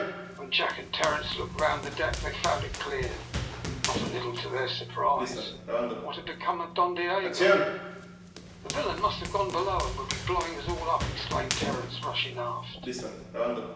When Jack and Terence looked around the deck they found it cleared not a little to their surprise. What had become of Don Diogo? "The villain must have gone below, and will be blowing us all up!" exclaimed Terence, rushing aft.